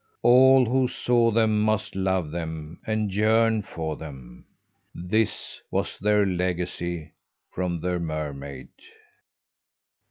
All who saw them must love them and yearn for them. This was their legacy from the mermaid."